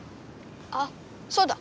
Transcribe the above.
あそうだ！